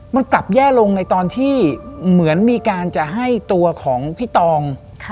มันกลับแย่ลงในตอนที่เหมือนมีการจะให้ตัวของพี่ตอง